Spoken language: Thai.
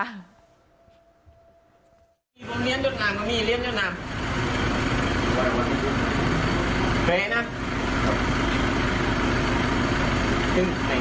ดินน้ำลมไฟอย่างนี้มั้ย